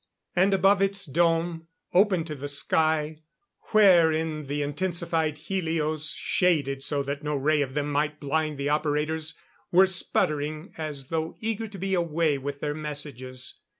And above its dome, opened to the sky, wherein the intensified helios shaded so that no ray of them might blind the operators, were sputtering as though eager to be away with their messages.